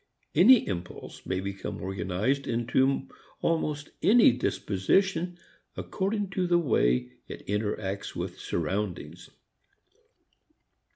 Any impulse may become organized into almost any disposition according to the way it interacts with surroundings.